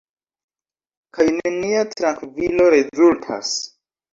Kaj nenia trankvilo rezultas.